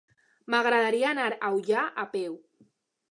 M'agradaria anar a Ullà a peu.